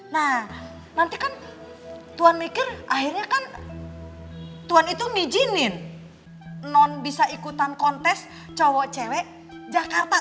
nah nanti kan tuan mikir akhirnya kan tuhan itu mijinin non bisa ikutan kontes cowok cewek jakarta